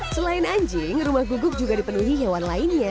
selain anjing rumah guguk juga dipenuhi hewan lainnya